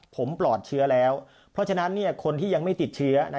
ผมปลอดเชื้อแล้วเพราะฉะนั้นคนที่ยังไม่ติดเชื้อ